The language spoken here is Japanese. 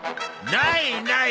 ないない！